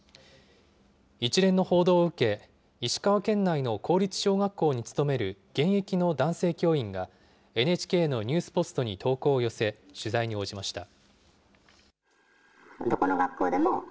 一連の報道を受け、石川県内の公立小学校に勤める現役の男性教員が、ＮＨＫのニュースポストに投稿を寄せ、取材に応じました。